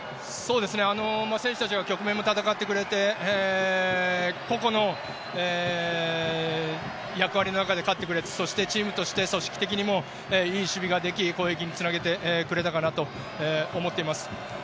選手たちが局面も戦ってくれて、個々の役割の中で勝ってくれて、そしてチームとして組織的にもいい守備ができ、攻撃につなげてくれたかなと思っています。